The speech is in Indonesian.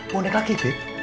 mau naik lagi beb